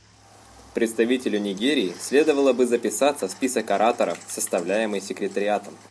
Представителю Нигерии следовало бы записаться в список ораторов, составляемый Секретариатом.